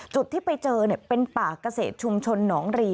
ที่ไปเจอเป็นป่าเกษตรชุมชนหนองรี